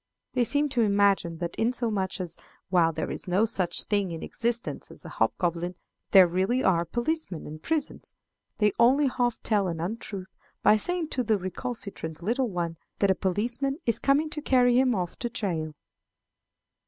They seem to imagine that inasmuch as, while there is no such thing in existence as a hobgoblin, there really are policemen and prisons, they only half tell an untruth by saying to the recalcitrant little one that a policeman is coming to carry him off to jail.